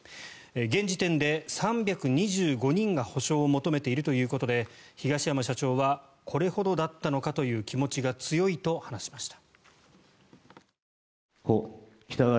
現時点で３２５人が補償を求めているということで東山社長はこれほどだったのかという気持ちが強いと話しました。